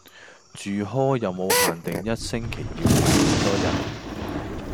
住 hall 有無限定一星期要住幾多日?